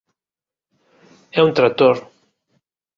_É un tractor.